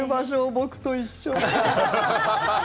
僕と一緒。